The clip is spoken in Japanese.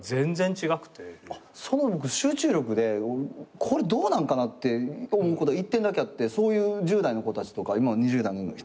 僕集中力でこれどうなんかなって思うことが一点だけあってそういう１０代の子たちとか今の２０代の人たちって映画とかを。